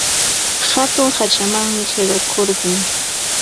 Hatun hachamanmi qiqakurqun.